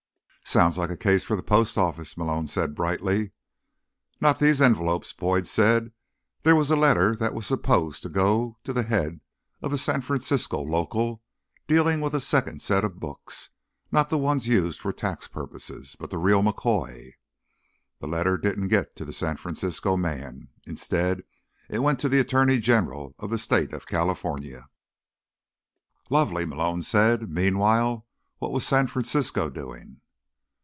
"Sounds like a case for the Post Office," Malone said brightly. "Not these envelopes," Boyd said. "There was a letter that was supposed to go to the head of the San Francisco local, dealing with a second set of books—not the ones used for tax purposes, but the real McCoy. The letter didn't get to the San Francisco man. Instead, it went to the attorney general of the state of California." "Lovely," Malone said. "Meanwhile, what was San Francisco doing?"